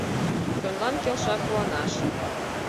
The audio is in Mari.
Чонлан келша куанаш!..